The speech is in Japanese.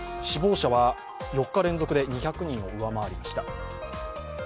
死亡者は４日連続で２００人を上回りました。